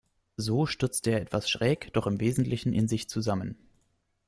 So stürzte er etwas schräg, doch im Wesentlichen in sich zusammen.